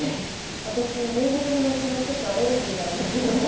私縫いぐるみの毛のちょっとアレルギーなんですけども。